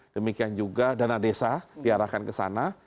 demikian juga dana desa diarahkan ke sana